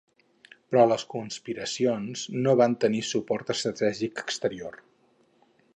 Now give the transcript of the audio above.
Però les conspiracions no van tenir suport estratègic exterior.